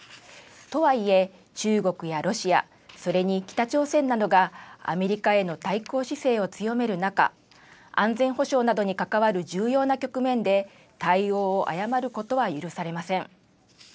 とはいえ、中国やロシア、それに北朝鮮などがアメリカへの対抗姿勢を強める中、安全保障などに関わる重要な局面で、対応を誤ることは許されません。